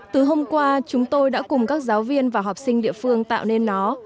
từ hôm qua chúng tôi đã cùng các giáo viên và học sinh địa phương tạo nên nó